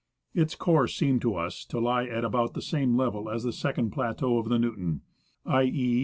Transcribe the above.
Its course seemed to us to lie at about the same level as the second plateau of the Newton ; i.e.